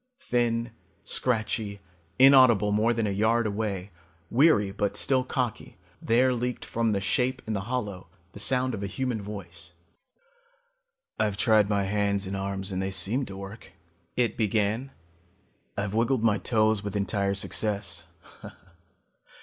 Thin, scratchy, inaudible more than a yard away, weary but still cocky, there leaked from the shape in the hollow the sound of a human voice. "I've tried my hands and arms and they seem to work," it began. "I've wiggled my toes with entire success.